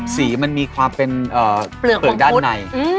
สีมันมีความเป็นเปลือกด้านใน